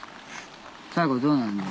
最後どうなんの。